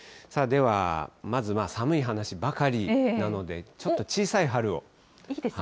では、まず、寒い話ばかりなので、ちょっと小さい春を。